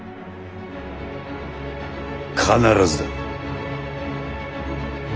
必ずだ。